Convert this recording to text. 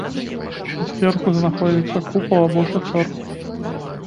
Зверху знаходзіцца купал або шацёр.